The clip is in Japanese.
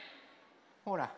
ほら。